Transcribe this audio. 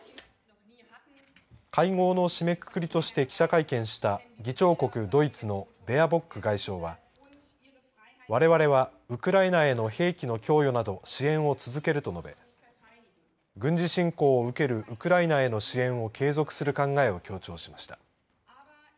会合の締めくくりとして記者会見した議長国ドイツのベアボック外相はわれわれはウクライナへの兵器の供与など支援を続けると述べ軍事侵攻を受けるウクライナへの支援を継続する考えを強調しました。